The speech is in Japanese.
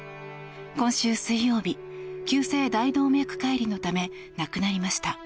今週水曜日急性大動脈解離のため亡くなりました。